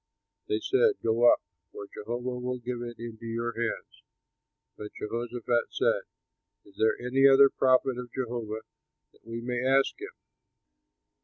They said, "Go up; for Jehovah will give it into your hands." But Jehoshaphat said, "Is there any other prophet of Jehovah, that we may ask him?"